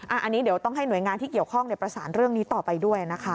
อันนี้เดี๋ยวต้องให้หน่วยงานที่เกี่ยวข้องประสานเรื่องนี้ต่อไปด้วยนะคะ